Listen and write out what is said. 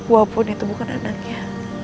walaupun itu bukan anaknya